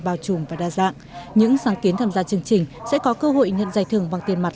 bao trùm và đa dạng những sáng kiến tham gia chương trình sẽ có cơ hội nhận giải thưởng bằng tiền mặt